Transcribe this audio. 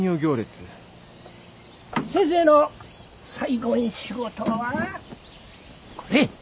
先生の最後ん仕事はこれ。